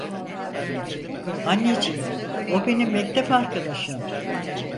Anneciğim, o benim mektep arkadaşım!"